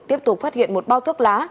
tiếp tục phát hiện một bao thuốc lá